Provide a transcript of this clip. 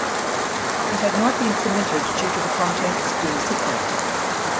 It had not been submitted due to the contents being secret.